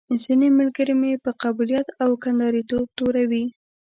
ځينې ملګري مې په قبيلويت او کنداريتوب توروي.